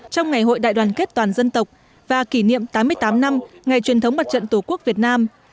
trong ngày hội đại đoàn kết toàn dân tộc và kỷ niệm tám mươi tám năm ngày truyền thống mặt trận tổ quốc việt nam